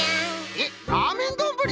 えっラーメンどんぶり？